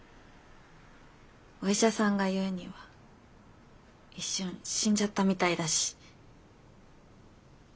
お医者さんが言うには一瞬死んじゃったみたいだし。